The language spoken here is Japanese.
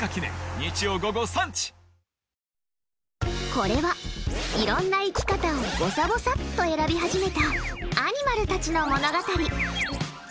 これは、いろんな生き方をぼさぼさっと選び始めたアニマルたちの物語。